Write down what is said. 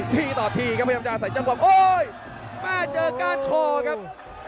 ทีต่อทีครับพยายามจะอาศัยจำบอกโอ้ยแม่เจอกล้านคอครับ